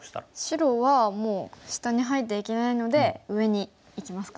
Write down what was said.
白はもう下に入っていけないので上にいきますか。